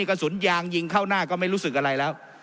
กระสุนยางยิงเข้าหน้าก็ไม่รู้สึกอะไรแล้ว